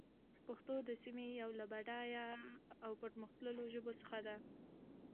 پښتو د سيمې يوه له بډايه او پرمختللو ژبو څخه ده.